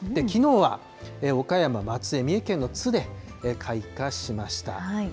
きのうは岡山、松江、三重県の津で開花しました。